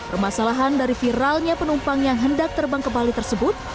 permasalahan dari viralnya penumpang yang hendak terbang ke bali tersebut